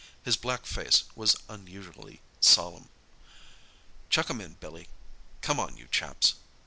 His black face was unusually solemn. "Chuck 'em in, Billy. Come on, you chaps!"